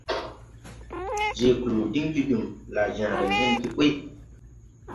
Je kluu din jidim, laa jããre ne hen ti ɓuy.